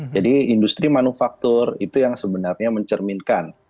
jadi industri manufaktur itu yang sebenarnya mencerminkan